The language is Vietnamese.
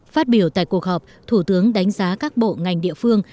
phát biểu tại cuộc họp thủ tướng đánh giá các bộ ngành địa phương